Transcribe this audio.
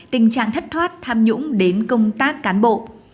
tình trạng thất thoát tham nhũng đến công tác cán bộ